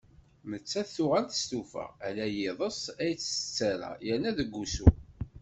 Nettat tuɣal testufa, ala i yiḍes ay tt-tettarra, yerna deg wusu